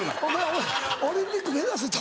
「お前オリンピック目指せ」と。